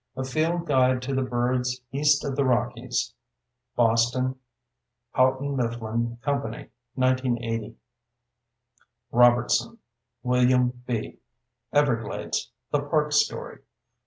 A Field Guide to the Birds East of the Rockies. Boston: Houghton Mifflin Company, 1980. Robertson, William B. _Everglades: The Park Story.